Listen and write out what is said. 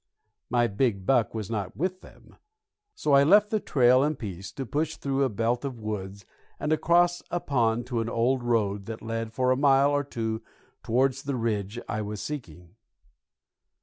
My big buck was not with them; so I left the trail in peace to push through a belt of woods and across a pond to an old road that led for a mile or two towards the ridge I was seeking.